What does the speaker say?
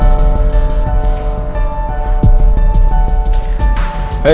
pasti dia udah nunggu nih